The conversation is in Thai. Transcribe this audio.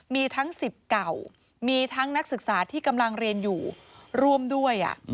มีทั้งสิทธิ์เก่ามีทั้งนักศึกษาที่กำลังเรียนอยู่ร่วมด้วย